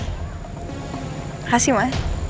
terima kasih ma